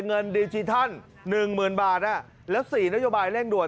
เงินดิจิทัลหนึ่งหมื่นบาทและสี่นโยบายเร่งด่วน